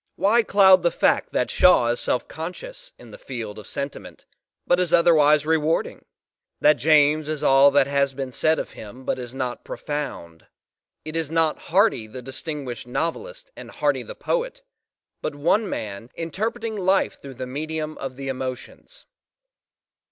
Why cloud the fact that Shaw is selfconscious in the field of sentiment but is otherwise re warding? that James is all that has been said of him but is not profound? It is not Hardy the distinguished novelist and Hardy the poet, but one man "interpreting life through the medium of the emotions."